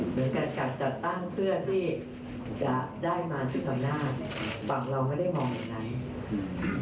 หรือการจัดตั้งเพื่อที่จะได้มาที่สำนาคหวังเราไม่ได้มองอย่างไร